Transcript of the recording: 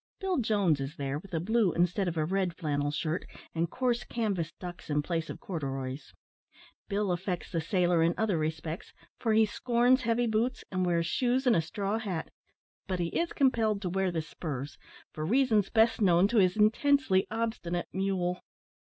Bill Jones is there, with a blue instead of a red flannel shirt, and coarse canvas ducks in place of corduroys. Bill affects the sailor in other respects, for he scorns heavy boots, and wears shoes and a straw hat; but he is compelled to wear the spurs, for reasons best known to his intensely obstinate mule.